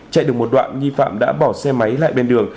chạy được một đoạn nghi phạm đã bỏ xe máy lại bên đường